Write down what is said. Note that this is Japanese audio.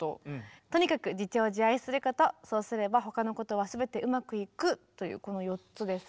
「とにかく自重自愛することそうすれば他のことはすべてうまくいく」。というこの４つですが。